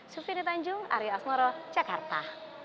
sufine tanjung arya asmoro jakarta